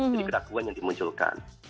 jadi keraguan yang dimunculkan